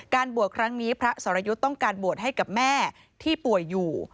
บวชครั้งนี้พระสรยุทธ์ต้องการบวชให้กับแม่ที่ป่วยอยู่